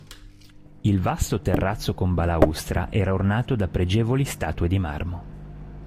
Il vasto terrazzo con balaustra era ornato da pregevoli statue di marmo.